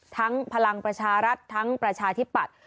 พลังประชารัฐทั้งประชาธิปัตย